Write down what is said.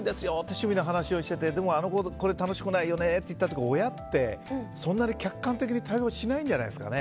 趣味の話をしててでもあの子がこれ楽しくないよねって言った時に親って、そんなに客観的に対応しないんじゃないんですかね。